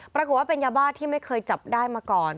ปรากฏว่าเป็นยาบ้าที่ไม่เคยจับได้มาก่อน